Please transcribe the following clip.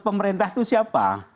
pemerintah itu siapa